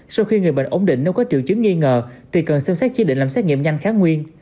sau khi người bệnh ổn định nếu có triệu chứng nghi ngờ thì cần xem xét chỉ định làm xét nghiệm nhanh kháng nguyên